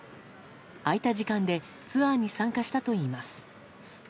空いた時間でツアーに参加したといいます。